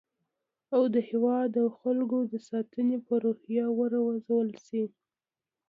او د هیواد او خلکو د ساتنې په روحیه وروزل شي